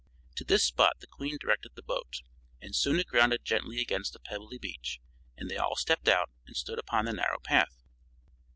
To this spot the Queen directed the boat, and soon it grounded gently against a pebbly beach, and they all stepped out and stood upon the narrow path.